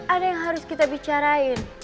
ada yang harus kita bicarain